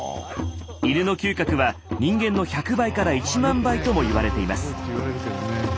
犬の嗅覚は人間の１００倍から１万倍とも言われています。